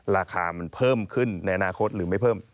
ราคามันเพิ่มขึ้นในอนาคตหรือไม่เพิ่ม